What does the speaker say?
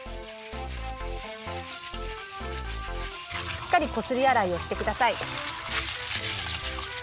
しっかりこすりあらいをしてください。